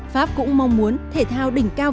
pháp cũng mong muốn thể thao đỉnh cao